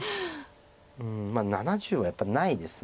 うん７０はやっぱりないです。